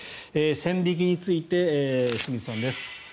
線引きについて、清水さんです。